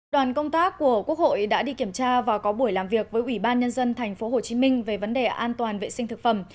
đoàn công tác của quốc hội đã đi kiểm tra và có buổi làm việc với ủy ban nhân dân tp hcm về vấn đề an toàn vệ sinh thực phẩm